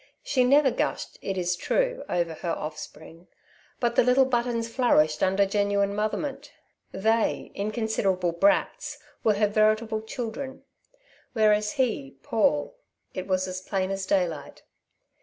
She never gushed, it is true, over her offspring; but the little Buttons flourished under genuine motherment. They, inconsiderable brats, were her veritable children. Whereas he, Paul it was as plain as daylight.